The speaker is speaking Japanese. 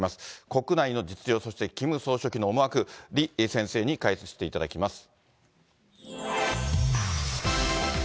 国内の実情、そしてキム総書記の思惑、李先生に解説していただきます。